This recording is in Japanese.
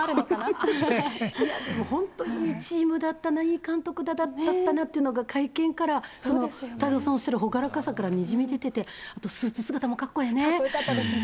でも本当いいチームだったな、いい監督だったなっていうのが会見から、太蔵さんおっしゃる朗らかさからにじみ出ていて、あとスーツ姿もかっこよかったですね。